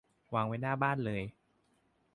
วางไว้หน้าบ้านเลย